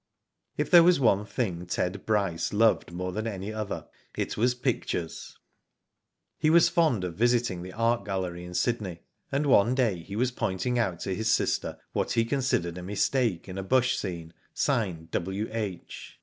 If there was one thing Ted Bryce loved more than another, it was pictures. He was fond of visiting the Art Gallery in Sydney, and one day he was pointing out to his Digitized byGoogk 40, WHO DID ITf sister what he considered a mistake in a bush scene, signed W.H.